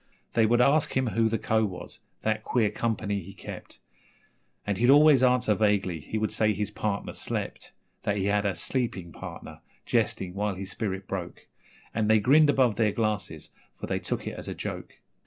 They would ask him who the Co. was that queer company he kept And he'd always answer vaguely he would say his partner slept; That he had a 'sleeping partner' jesting while his spirit broke And they grinned above their glasses, for they took it as a joke.